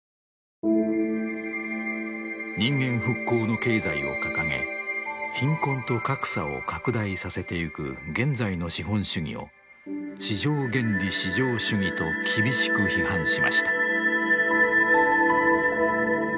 人間復興の経済を掲げ貧困と格差を拡大させていく現在の資本主義を市場原理至上主義と厳しく批判しました。